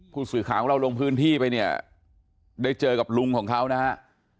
ผู้สื่อข่าวของเราลงพื้นที่ไปเนี่ยได้เจอกับลุงของเขานะฮะ